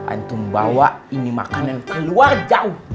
antum bawa ini makanan keluar jauh